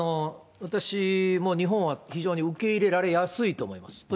私も日本は非常に受け入れられやすいと思います。